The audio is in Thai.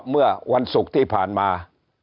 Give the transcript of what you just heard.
เมื่อวันศุกร์ที่ผ่านมา